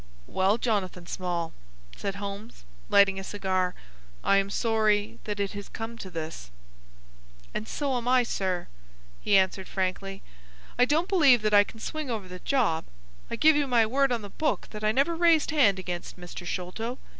"Well, Jonathan Small," said Holmes, lighting a cigar, "I am sorry that it has come to this." "And so am I, sir," he answered, frankly. "I don't believe that I can swing over the job. I give you my word on the book that I never raised hand against Mr. Sholto.